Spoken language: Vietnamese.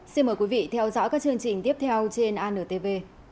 xin mời quý vị theo dõi các chương trình tiếp theo trên antv